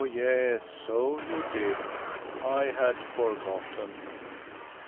yes, so you did. I had forgotten.